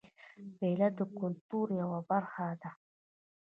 پیاله د کلتور یوه برخه ده.